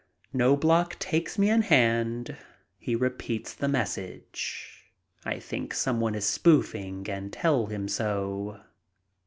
Knobloch takes me in hand. He repeats the message. I think some one is spoofing and tell him so.